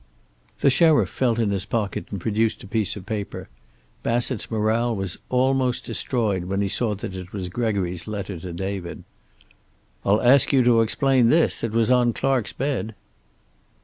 The sheriff felt in his pocket and produced a piece of paper. Bassett's morale was almost destroyed when he saw that it was Gregory's letter to David. "I'll ask you to explain this. It was on Clark's bed."